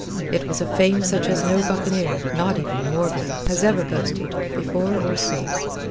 It was a fame such as no buccaneer not even Morgan has ever boasted, before or since.